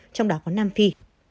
trong đó có nam phi